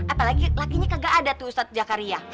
apalagi kagak ada tuh ustadz jakaria